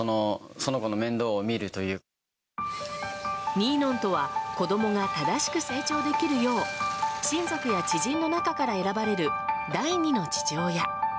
ニーノンとは子供が正しく成長できるよう親族や知人の中から選ばれる第２の父親。